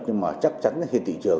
nhưng mà chắc chắn trên thị trường